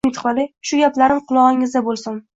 Shu gaplarim qulog’ingizda bo’lsin.